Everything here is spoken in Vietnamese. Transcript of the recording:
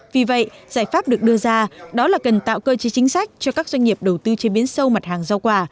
vì vậy giải pháp được đưa ra đó là cần tạo cơ chế chính sách cho các doanh nghiệp đầu tư chế biến sâu mặt hàng rau quả